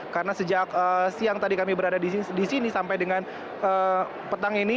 karena sejak siang tadi kami berada di sini sampai dengan petang ini